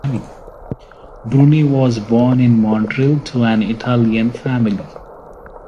Bruni was born in Montreal to an Italian family.